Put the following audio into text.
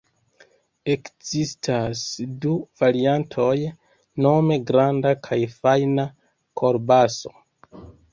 Ekzistas du variantoj nome granda kaj fajna kolbaso.